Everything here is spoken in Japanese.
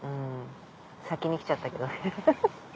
先に来ちゃったけどフフフ。